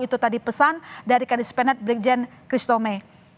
itu tadi pesan dari kadis penat brijen kristome